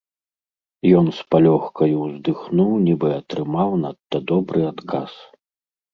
Ён з палёгкаю ўздыхнуў, нібы атрымаў надта добры адказ.